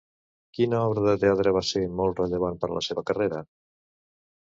Quina obra de teatre va ser molt rellevant per la seva carrera?